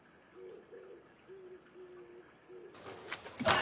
あ。